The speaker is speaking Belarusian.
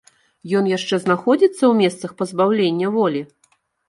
Ён яшчэ знаходзіцца ў месцах пазбаўлення волі?